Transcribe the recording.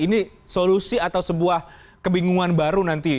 ini solusi atau sebuah kebingungan baru nanti